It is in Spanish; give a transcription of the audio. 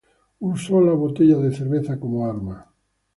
Usó la botella de cerveza como arma.